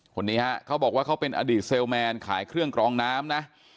คนนี้ฮะเขาบอกว่าเขาเป็นอดีตเซลแมนขายเครื่องกรองน้ำนะ